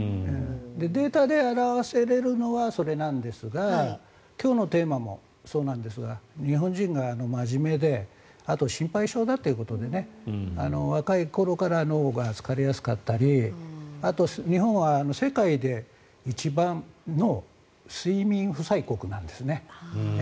データで表せるのはそれなんですが今日のテーマもそうなんですが日本人が真面目であと心配性だということで若い頃から脳が疲れやすかったりあと日本は世界で一番の睡眠負債国なんですね。